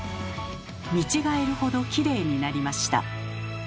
見違えるほどきれいになりました。